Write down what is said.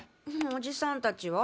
おじさんたちは？